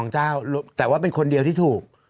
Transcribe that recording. เจ้าแต่ว่าเป็นคนเดียวที่ถูก